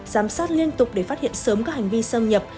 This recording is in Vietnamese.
giám sát liên tục để phát hiện sớm các hành vi xâm nhập